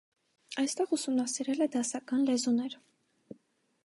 Այստեղ ուսումնասիրել է դասական լեզուներ։